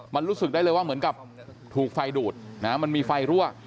มันรู้สึกได้เลยว่าเหมือนกับถูกไฟดูดมันมีไฟรั่ว